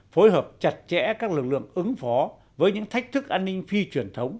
phối hợp chặt chẽ các lực lượng ứng phó với những thách thức an ninh phi truyền thống